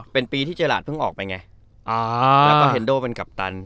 เป็นปีที่เจอราชเพิ่งออกไปไงแล้วก็เฮนโดเป็นกัปตัน